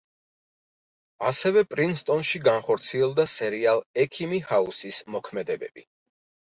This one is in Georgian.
ასევე, პრინსტონში განხორციელდა სერიალ „ექიმი ჰაუსის“ მოქმედებები.